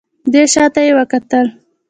دی شا ته يې وکتل.